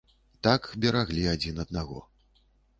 Так бераглі адзін аднаго.